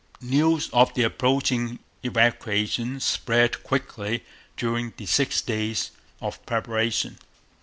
News of the approaching evacuation spread quickly during the six days of preparation.